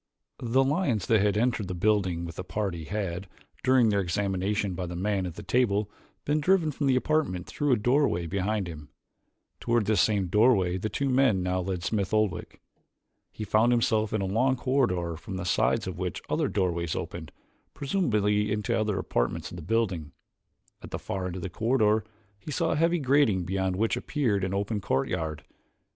The lions that had entered the building with the party had, during their examination by the man at the table, been driven from the apartment through a doorway behind him. Toward this same doorway two of the men now led Smith Oldwick. He found himself in a long corridor from the sides of which other doorways opened, presumably into other apartments of the building. At the far end of the corridor he saw a heavy grating beyond which appeared an open courtyard.